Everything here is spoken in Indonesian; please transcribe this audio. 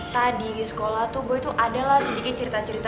tadi di sekolah tuh boy tuh ada lah sedikit cerita cerita